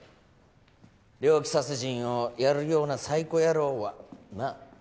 猟奇殺人をやるようなサイコ野郎はなあ